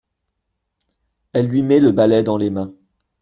Elle lui met le balai dans les mains.